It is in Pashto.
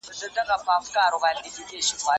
زه قلمان نه پاکوم؟!